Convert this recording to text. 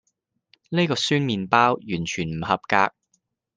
呢個酸麵包完全唔合格